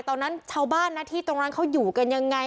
ตอนนั้นชาวบ้านนะที่ตรงนั้นเขาอยู่กันยังไง